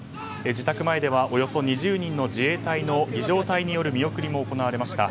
自宅前ではおよそ２０人の自衛隊の儀仗隊による見送りも行われました。